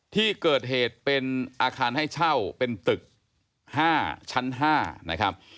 ที่เกิดเหตุเป็นอาคารให้เช่าเป็นตึก๕ชั้น๕นะครับ